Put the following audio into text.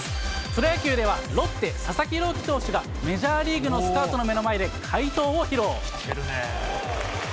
プロ野球ではロッテ、佐々木朗希投手が、メジャーリーグのスカウトの前で、かいとうを披露。